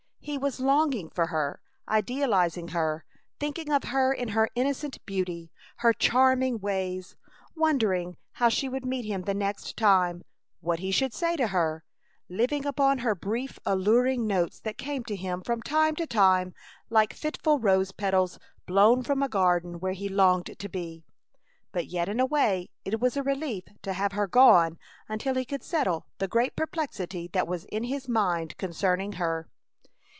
He was longing for her; idealizing her; thinking of her in her innocent beauty, her charming ways; wondering how she would meet him the next time, what he should say to her; living upon her brief, alluring notes that came to him from time to time like fitful rose petals blown from a garden where he longed to be; but yet in a way it was a relief to have her gone until he could settle the great perplexity that was in his mind concerning her.